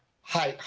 はい。